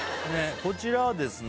こちらはですね